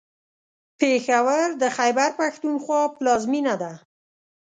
پېښور د خیبر پښتونخوا پلازمېنه ده.